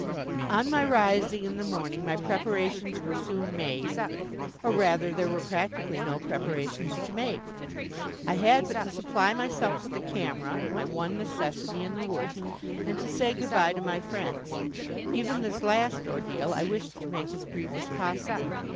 On my rising in the morning my preparations were soon made; or, rather, there were practically no preparations to make. I had but to supply myself with a camera, my one necessity in the woods, and to say good bye to my friends. Even this last ordeal I wished to make as brief as possible.